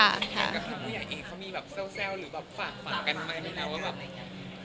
แล้วก็พี่ยาเองเขามีแบบเศร้าหรือแบบฝากกันไหมไม่รู้นะว่าแบบ